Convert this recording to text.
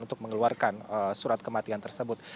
untuk mengeluarkan surat kematian tersebut